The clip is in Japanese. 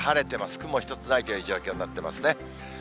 雲一つないという状況になってますね。